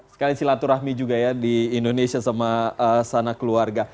terima kasih latu rahmi juga ya di indonesia sama sana keluarga